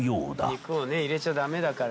肉をね入れちゃダメだから。